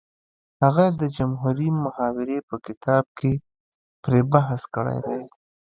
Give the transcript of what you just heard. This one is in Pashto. هغه د جمهوري محاورې په کتاب کې پرې بحث کړی دی